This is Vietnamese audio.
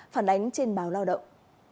phản ánh trên báo lao động